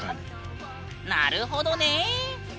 なるほどね。